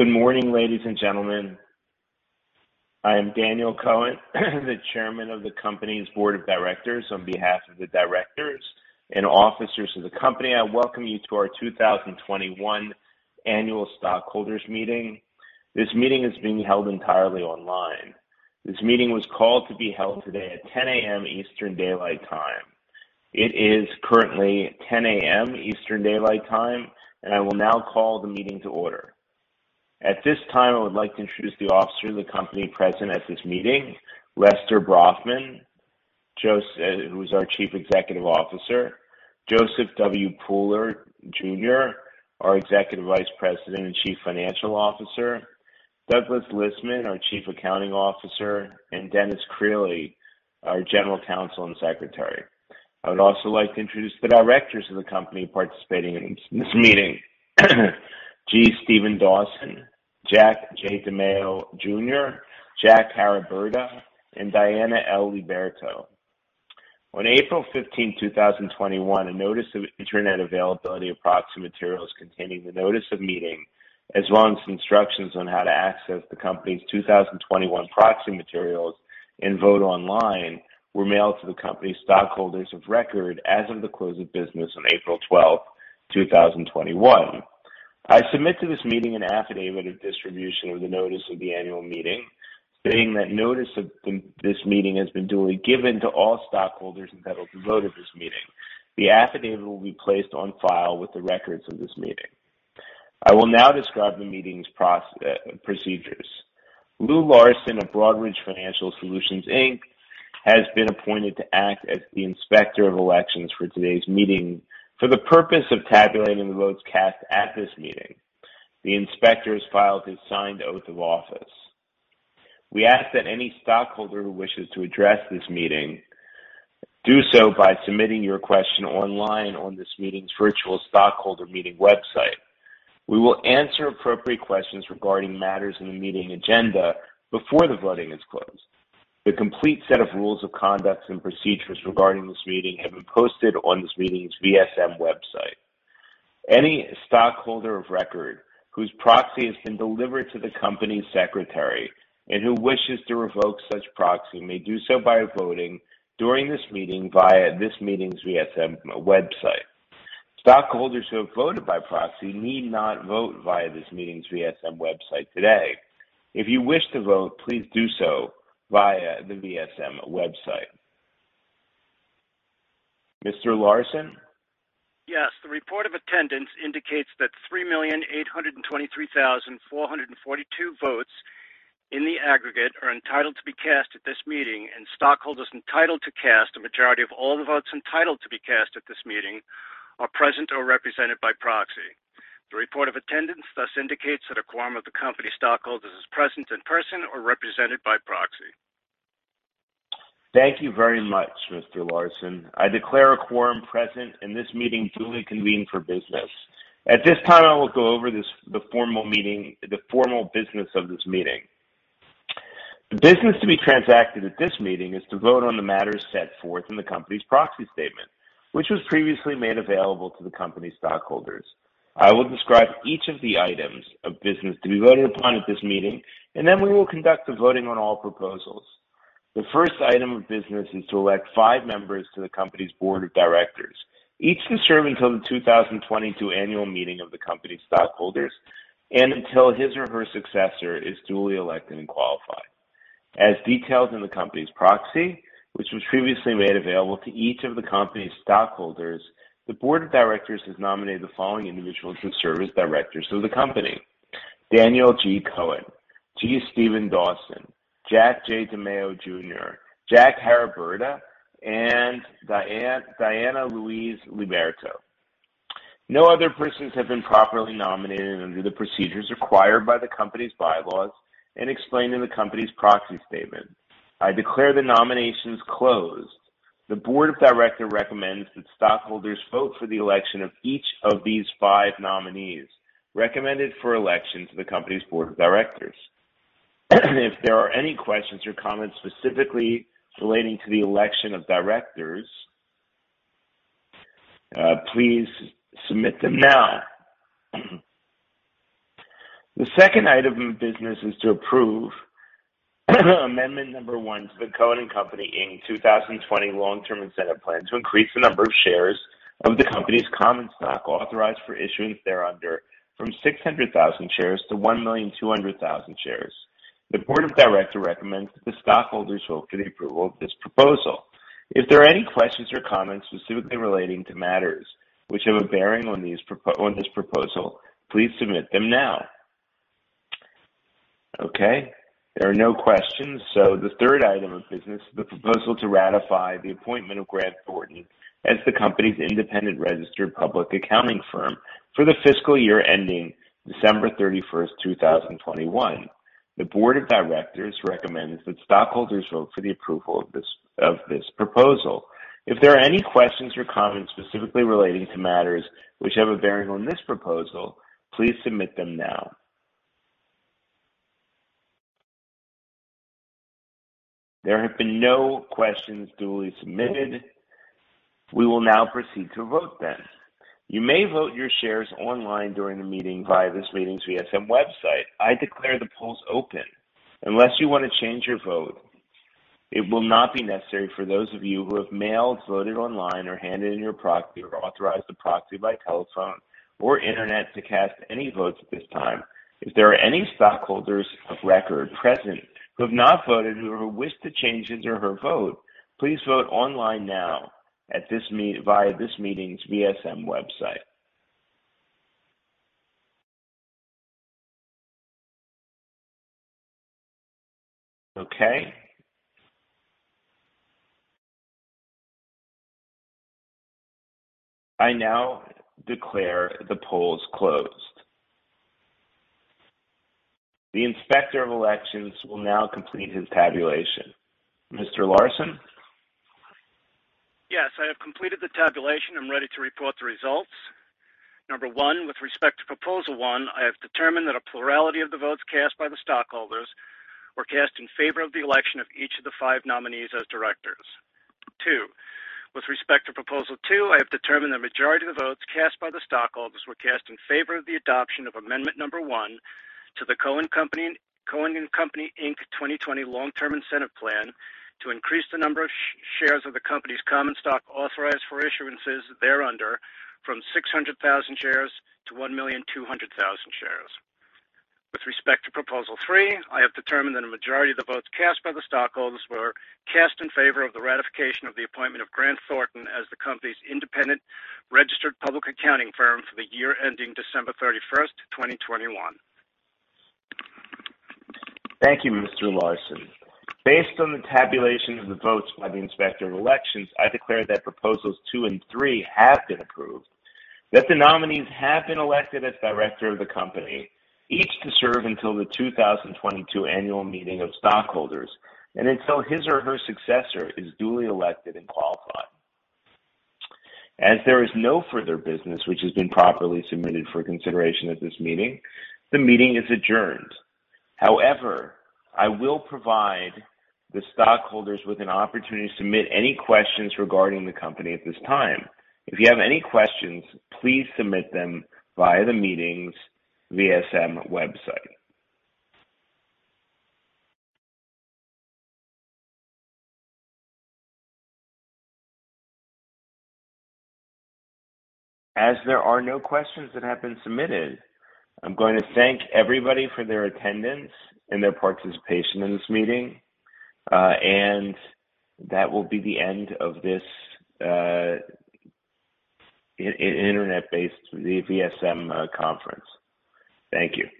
Good morning, ladies and gentlemen. I am Daniel Cohen, the chairman of the company's board of directors. On behalf of the directors and officers of the company, I welcome you to our 2021 annual stockholders meeting. This meeting is being held entirely online. This meeting was called to be held today at 10:00 A.M. Eastern Daylight Time. It is currently 10:00 A.M. Eastern Daylight Time, and I will now call the meeting to order. At this time, I would like to introduce the officers of the company present at this meeting. Lester Brafman, who is our Chief Executive Officer. Joseph W. Pooler, Jr., our Executive Vice President and Chief Financial Officer. Douglas Lisman, our Chief Accounting Officer, and Dennis Crilly, our General Counsel and Secretary. I would also like to introduce the directors of the company participating in this meeting. G. Steven Dawson, Jack J. DiMaio, Jr., Jack Haraburda, and Diana L. Liberto. On April 15, 2021, a notice of internet availability of proxy materials containing the notice of meeting, as well as instructions on how to access the company's 2021 proxy materials and vote online, were mailed to the company's stockholders of record as of the close of business on April 12, 2021. I submitted to this meeting an affidavit of distribution of the notice of the annual meeting, stating that notice of this meeting has been duly given to all stockholders who voted this meeting. The affidavit will be placed on file with the records of this meeting. I will now describe the meeting's procedures. Lou Larson of Broadridge Financial Solutions, Inc., has been appointed to act as the inspector of elections for today's meeting for the purpose of tabulating the votes cast at this meeting. The inspector has filed his signed oath of office. We ask that any stockholder who wishes to address this meeting do so by submitting your question online on this meeting's virtual stockholder meeting website. We will answer appropriate questions regarding matters in the meeting agenda before the voting is closed. The complete set of rules of conduct and procedures regarding this meeting have been posted on this meeting's VSM website. Any stockholder of record whose proxy has been delivered to the company secretary and who wishes to revoke such proxy may do so by voting during this meeting via this meeting's VSM website. Stockholders who have voted by proxy need not vote via this meeting's VSM website today. If you wish to vote, please do so via the VSM website. Mr. Larson? Yes, the report of attendance indicates that 3,823,442 votes in the aggregate are entitled to be cast at this meeting, and stockholders entitled to cast a majority of all the votes entitled to be cast at this meeting are present or represented by proxy. The report of attendance thus indicates that a quorum of the company stockholders is present in person or represented by proxy. Thank you very much, Mr. Larson. I declare a quorum present, and this meeting duly convened for business. At this time, I will go over the formal business of this meeting. The business to be transacted at this meeting is to vote on the matters set forth in the company's proxy statement, which was previously made available to the company stockholders. I will describe each of the items of business to be voted upon at this meeting, and then we will conduct the voting on all proposals. The first item of business is to elect five members to the company's board of directors, each to serve until the 2022 annual meeting of the company stockholders and until his or her successor is duly elected and qualified. As detailed in the company's proxy, which was previously made available to each of the company's stockholders, the board of directors has nominated the following individuals to serve as directors of the company: Daniel G. Cohen, G. Steven Dawson, Jack J. DiMaio, Jr., Jack Haraburda, and Diana Louise Liberto. No other persons have been properly nominated under the procedures required by the company's bylaws and explained in the company's proxy statement. I declare the nominations closed. The board of directors recommends that stockholders vote for the election of each of these five nominees recommended for election to the company's board of directors. If there are any questions or comments specifically relating to the election of directors, please submit them now. The second item of business is to approve amendment number one to the Cohen & Company Inc. 2020 Long-Term Incentive Plan to increase the number of shares of the company's common stock authorized for issuance thereunder from 600,000 shares to 1,200,000 shares. The Board of Directors recommends that the stockholders vote for the approval of this proposal. If there are any questions or comments specifically relating to matters which have a bearing on this proposal, please submit them now. Okay, there are no questions, so the third item of business is the proposal to ratify the appointment of Grant Thornton as the company's independent registered public accounting firm for the fiscal year ending December 31st, 2021. The Board of Directors recommends that stockholders vote for the approval of this proposal. If there are any questions or comments specifically relating to matters which have a bearing on this proposal, please submit them now. There have been no questions duly submitted. We will now proceed to vote then. You may vote your shares online during the meeting via this meeting's VSM website. I declare the polls open. Unless you want to change your vote, it will not be necessary for those of you who have mailed, voted online, or handed in your proxy, or authorized a proxy by telephone or internet to cast any votes at this time. If there are any stockholders of record present who have not voted, or who wish to change his or her vote, please vote online now via this meeting's VSM website. Okay. I now declare the polls closed. The Inspector of Elections will now complete his tabulation. Mr. Larson? Yes, I have completed the tabulation and ready to report the results. Number one, with respect to Proposal one, I have determined that a plurality of the votes cast by the stockholders were cast in favor of the election of each of the five nominees as directors. Two, with respect to Proposal 2, I have determined the majority of the votes cast by the stockholders were cast in favor of the adoption of amendment number one to the Cohen & Company Inc. 2020 Long-Term Incentive Plan to increase the number of shares of the company's common stock authorized for issuances thereunder from 600,000 shares to 1,200,000 shares. With respect to Proposal 3, I have determined that a majority of the votes cast by the stockholders were cast in favor of the ratification of the appointment of Grant Thornton as the company's independent registered public accounting firm for the year ending December 31st, 2021. Thank you, Mr. Larson. Based on the tabulation of the votes by the Inspector of Elections, I declare that Proposals 2 and 3 have been approved, that the nominees have been elected as director of the company, each to serve until the 2022 annual meeting of stockholders, and until his or her successor is duly elected and qualified. As there is no further business which has been properly submitted for consideration at this meeting, the meeting is adjourned. However, I will provide the stockholders with an opportunity to submit any questions regarding the company at this time. If you have any questions, please submit them via the meeting's VSM website. As there are no questions that have been submitted, I'm going to thank everybody for their attendance and their participation in this meeting. That will be the end of this internet-based VSM conference. Thank you.